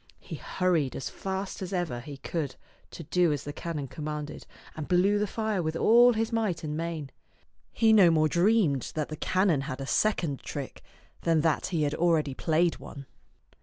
He hurried as fast as ever he could to do as the canon commanded, and blew the fire with all his might and main. He no more dreamed that the canon had a second trick than that he had already played one.